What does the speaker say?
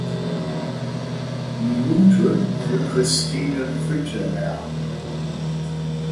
Minute für Christine Fütterer.